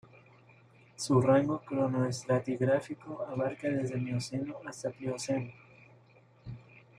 Su rango cronoestratigráfico abarca desde el Mioceno hasta la Plioceno.